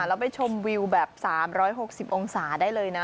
แล้วไปชมวิวแบบ๓๖๐องศาได้เลยนะ